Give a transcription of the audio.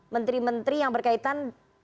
menteri menteri yang berkaitan